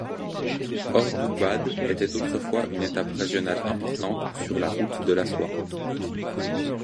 Ordoubad était autrefois une étape régionale importante sur la route de la soie.